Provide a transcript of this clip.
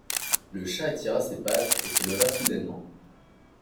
Le chat étira ses pattes et se leva soudainement.